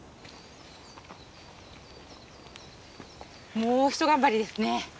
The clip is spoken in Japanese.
もう一頑張りですね。